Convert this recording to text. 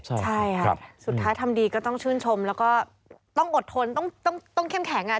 ใช่ค่ะครับสุดท้ายทำดีก็ต้องชื่นชมแล้วก็ต้องอดทนต้องต้องต้องเข้มแข็งอ่ะ